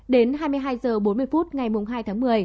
đến hai mươi hai h bốn mươi phút ngày hai tháng một mươi